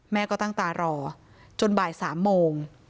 แม่ก็ตั้งตารอจนบ่าย๓โมง